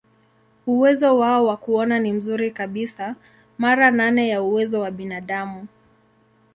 Uwezo wao wa kuona ni mzuri kabisa, mara nane ya uwezo wa binadamu.